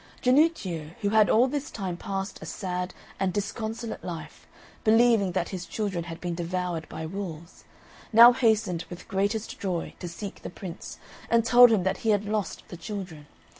Jannuccio, who had all this time passed a sad and disconsolate life, believing that his children had been devoured by wolves, now hastened with the greatest joy to seek the Prince, and told him that he had lost the children.